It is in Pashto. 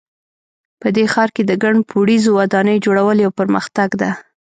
په دې ښار کې د ګڼ پوړیزو ودانیو جوړول یو پرمختګ ده